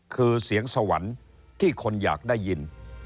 คือเสียงสวรรค์ที่คนอยากได้ยิน